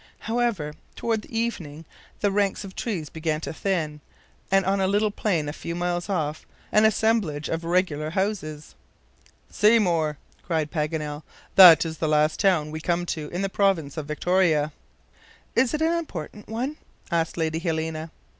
However, toward evening the ranks of trees began to thin, and on a little plain a few miles off an assemblage of regular houses. "Seymour!" cried Paganel; "that is the last town we come to in the province of Victoria." "Is it an important one?" asked Lady Helena.